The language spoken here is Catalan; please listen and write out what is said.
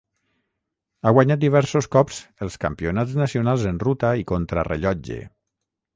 Ha guanyat diversos cops els campionats nacionals en ruta i contrarellotge.